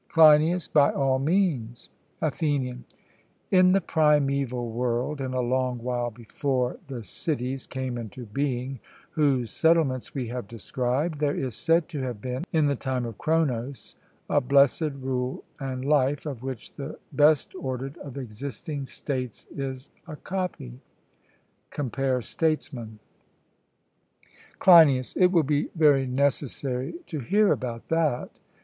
CLEINIAS: By all means. ATHENIAN: In the primeval world, and a long while before the cities came into being whose settlements we have described, there is said to have been in the time of Cronos a blessed rule and life, of which the best ordered of existing states is a copy (compare Statesman). CLEINIAS: It will be very necessary to hear about that.